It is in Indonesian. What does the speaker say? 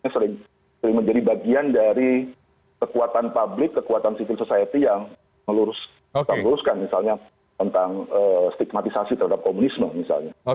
sering menjadi bagian dari kekuatan publik kekuatan civil society yang meluruskan misalnya tentang stigmatisasi terhadap komunisme misalnya